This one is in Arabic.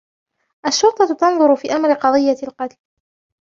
الشرطةُ تنظرُ في أمرِ قضيةِ القتلِ